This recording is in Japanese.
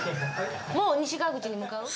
もう西川口に向かう？